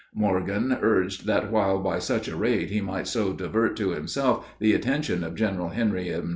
Morgan urged that while by such a raid he might so divert to himself the attention of General Henry M.